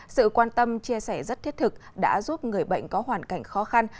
sự quan tâm chia sẻ rất thiết thực đã giúp người bệnh có hoàn cảnh khó khăn